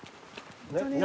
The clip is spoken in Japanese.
何？